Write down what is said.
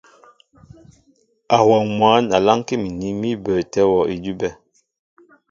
Awɔŋ mwǎn a lánkí nín mí bəətɛ́ wɔ́ idʉ́bɛ́.